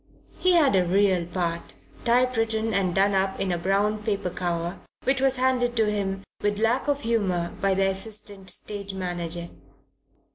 He had a real part, typewritten and done up in a brown paper cover, which was handed to him, with lack of humour, by the assistant stage manager.